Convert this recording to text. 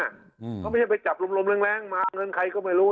เขาไม่ใช่ไปจับลมลมแรงมาเงินใครก็ไม่รู้